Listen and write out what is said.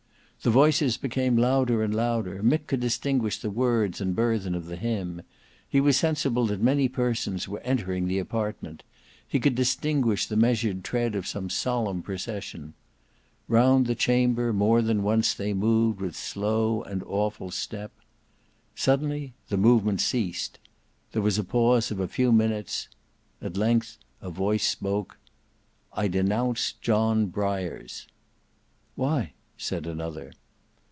The voices became louder and louder; Mick could distinguish the words and burthen of the hymn; he was sensible that many persons were entering the apartment; he could distinguish the measured tread of some solemn procession. Round the chamber, more than once, they moved with slow and awful step. Suddenly that movement ceased; there was a pause of a few minutes; at length a voice spoke. "I denounce John Briars." "Why?" said another.